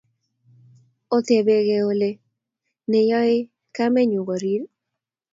Otebekei Ole ne neyoe kamenyu korir